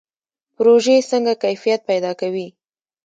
پروژې څنګه کیفیت پیدا کوي؟